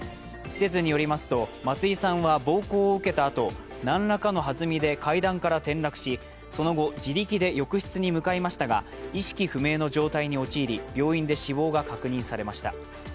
施設によりますと、松井さんは暴行を受けたあと、何らかのはずみで階段から転落しその後、自力で浴室に向かいましたが、意識不明の状態に陥り病院で死亡が確認されました。